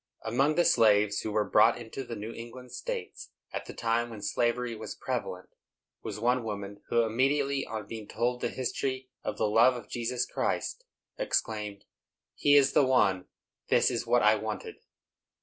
Among the slaves who were brought into the New England States, at the time when slavery was prevalent, was one woman, who, immediately on being told the history of the love of Jesus Christ, exclaimed, "He is the one; this is what I wanted."